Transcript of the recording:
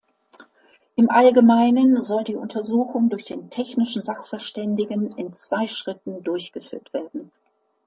Im Allgemeinen soll die Untersuchung durch den technischen Sachverständigen in zwei Schritten durchgeführt werden.